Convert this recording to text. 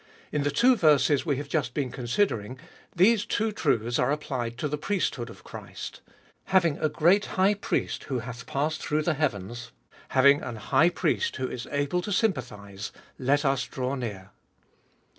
In the two verses we have just been considering these two truths are applied to the priesthood of Christ. Having a great High Priest who hath passed through the heavens ; having an High Priest who is able to sympathise ; let us draw near.